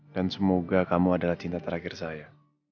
dan semoga kamu adalah cinta terakhir saya